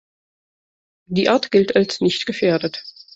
Die Art gilt als „nicht gefährdet“.